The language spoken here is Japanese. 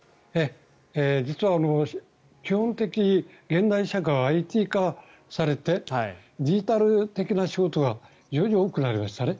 実は、基本的に現代社会はＩＴ化されてデジタル的な仕事が非常に多くなりましたね。